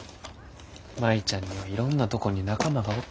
舞ちゃんにはいろんなとこに仲間がおって。